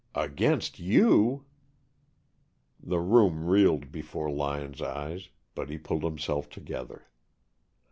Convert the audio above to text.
"Against you!" The room reeled before Lyon's eyes, but he pulled himself together.